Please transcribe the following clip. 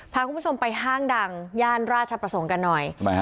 พาคุณผู้ชมไปห้างดังย่านราชประสงค์กันหน่อยทำไมฮะ